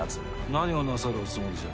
何をなさるおつもりじゃ。